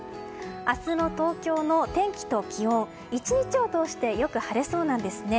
明日の東京の天気と気温は１日を通してよく晴れそうなんですね。